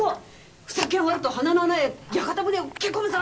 「ふざけやがると鼻の穴へ屋形船を蹴込むぞ！」